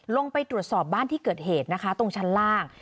ลงไปตรวจสอบบ้านที่เกิดเหตุนะคะตรงชั้นล่าง